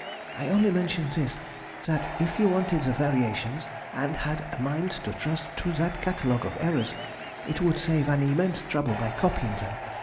I only mention this that if you wanted the variations, and had a mind to trust to that catalogue of errors, it would save an immense trouble by copying them.